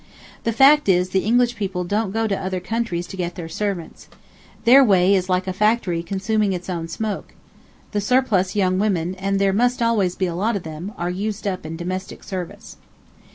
The fact is, the English people don't go to other countries to get their servants. Their way is like a factory consuming its own smoke. The surplus young women, and there must always be a lot of them, are used up in domestic service.